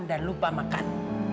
dan lupa makan